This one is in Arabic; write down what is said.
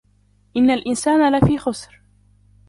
إِنَّ الْإِنْسَانَ لَفِي خُسْرٍ